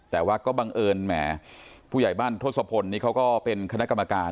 แต่ว่าก็บังเอิญแหมผู้ใหญ่บ้านทศพลนี่เขาก็เป็นคณะกรรมการ